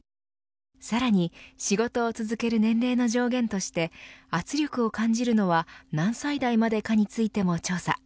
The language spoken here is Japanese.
さらに仕事を続ける年齢の上限として圧力を感じるのは何歳台までかについても調査。